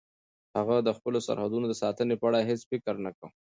هغه د خپلو سرحدونو د ساتنې په اړه هیڅ فکر نه کاوه.